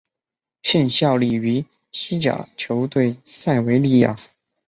现效力于西甲球队塞维利亚。